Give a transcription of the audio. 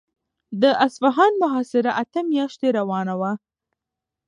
د اصفهان محاصره اته میاشتې روانه وه.